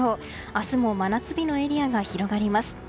明日も真夏日のエリアが広がります。